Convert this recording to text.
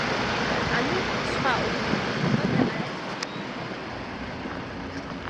ანუ, სხვა ოთხმა მაიმუნმა და არა იმავე ოთხმა მაიმუნმა.